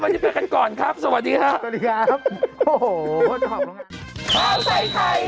วันนี้ไปกันก่อนครับสวัสดีครับ